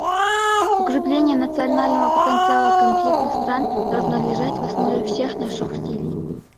Укрепление национального потенциала постконфликтных стран должно лежать в основе всех наших усилий.